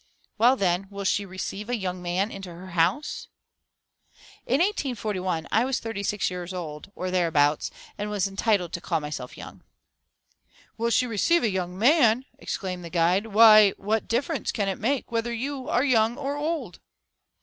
"Well, then, will she receive a young man into her house?" In 1841 I was thirty six years old, or thereabouts, and was entitled to call myself young. "Will she receive a young man!" exclaimed the guide; "why, what difference can it make whether you are young or old?"